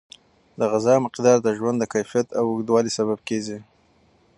د غذا مقدار د ژوند د کیفیت او اوږدوالي سبب کیږي.